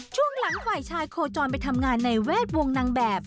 ช่วงหลังฝ่ายชายโคจรไปทำงานในแวดวงนางแบบ